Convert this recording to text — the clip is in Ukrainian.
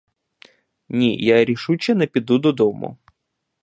Ні, я рішуче не піду додому!